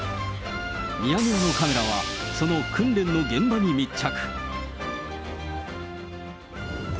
ミヤネ屋のカメラは、その訓練の現場に密着。